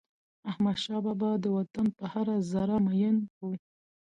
احمدشاه بابا د وطن پر هره ذره میین و.